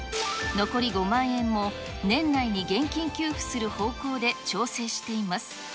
残り５万円を年内に現金給付する方向で調整しています。